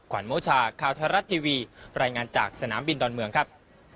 วันโมชาข่าวไทยรัฐทีวีรายงานจากสนามบินดอนเมืองครับ